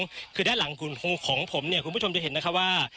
ก็คือด้านหลังของผมเนี่ยคุณผู้ชมจะเห็นนะคะว่า